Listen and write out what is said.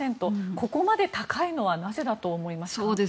ここまで高いのはなぜだと思いますか？